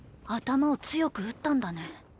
頭を強く打ったんだね。